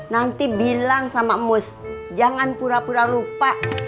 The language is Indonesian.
nanti bilang sama mus jangan pura pura lupa